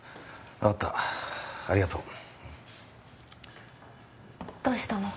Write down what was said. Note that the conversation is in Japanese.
分かったありがとうどうしたの？